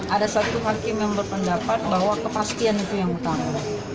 ada satu hakim yang berpendapat bahwa kepastian itu yang utama